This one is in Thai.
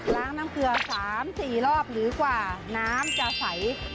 น้ำเกลือ๓๔รอบหรือกว่าน้ำจะใส